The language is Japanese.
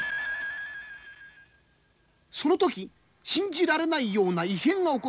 その時信じられないような異変が起こった。